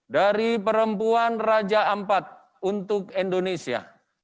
dari perempuan raja ampat untuk indonesia